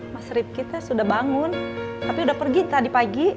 mas rip kita sudah bangun tapi udah pergi tadi pagi